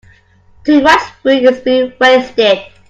Too much food is being wasted.